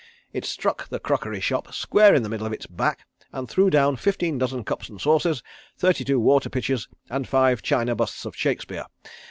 It struck the crockery shop square in the middle of its back and threw down fifteen dozen cups and saucers, thirty two water pitchers, and five china busts of Shakespeare.